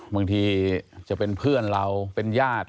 บางทีจะเป็นเพื่อนเราเป็นญาติ